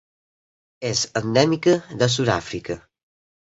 És endèmica de Sud-àfrica.